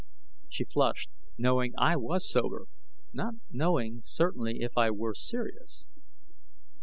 She flushed, knowing I was sober, not knowing certainly if I were serious.